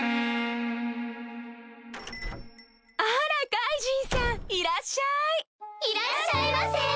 カイジンさんいらっしゃい・いらっしゃいませ‼